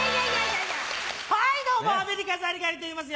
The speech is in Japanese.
はいどうもアメリカザリガニといいます。